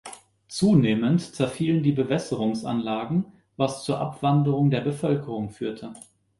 Zunehmend zerfielen die Bewässerungsanlagen, was zur Abwanderung der Bevölkerung führte.